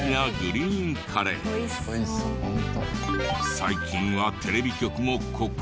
最近はテレビ局も国際化。